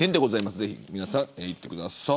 ぜひ皆さん行ってください。